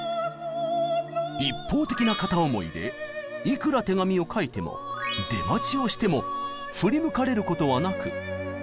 一方的な片思いでいくら手紙を書いても出待ちをしても振り向かれることはなく。